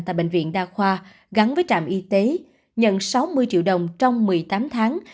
tại bệnh viện đa khoa gắn với trạm y tế nhận sáu mươi triệu đồng trong một mươi tám tháng